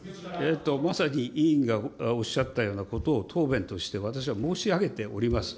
まさに委員がおっしゃったようなことを答弁として私は申し上げております。